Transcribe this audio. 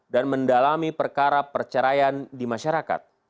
dan mendalami perkara perceraian di masyarakat